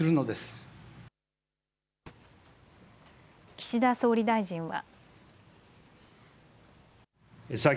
岸田総理大臣は。